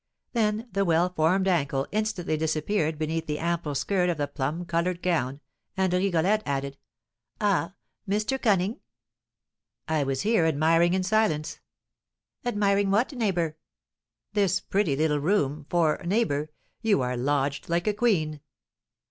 Then the well formed ankle instantly disappeared beneath the ample skirt of the plum coloured gown, and Rigolette added, "Ah, Mr. Cunning!" "I was here admiring in silence." "Admiring what, neighbour?" "This pretty little room; for, neighbour, you are lodged like a queen."